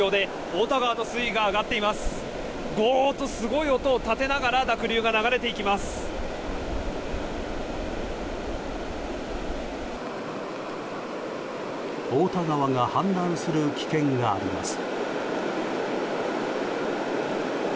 太田川が氾濫する危険があります。